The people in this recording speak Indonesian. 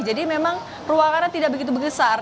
jadi memang ruangannya tidak begitu besar